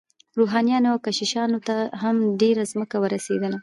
روحانیونو او کشیشانو ته هم ډیره ځمکه ورسیدله.